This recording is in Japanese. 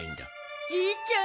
じいちゃん。